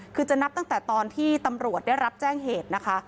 คือจะนับตั้งแต่ตอนที่ตำรวจได้รับแจ้งเหตุนะคะ